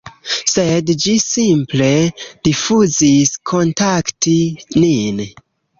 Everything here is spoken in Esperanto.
sed ĝi simple rifuzis kontakti nin.